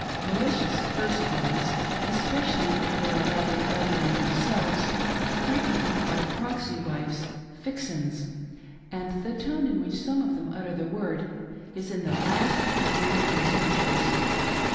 Malicious first wives, especially if they are rather elderly ■themselves, frequently call the proxy wives "fixins ;" and the tone in which some of them utter the word is in the last de gree contemptuous.